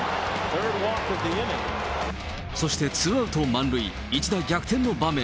そしてツーアウト満塁、一打逆転の場面。